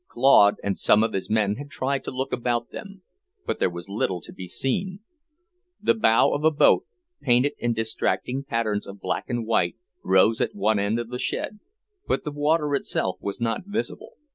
Claude and some of his men had tried to look about them; but there was little to be seen. The bow of a boat, painted in distracting patterns of black and white, rose at one end of the shed, but the water itself was not visible.